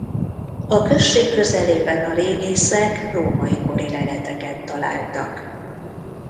A község közelében a régészek római kori leleteket találtak.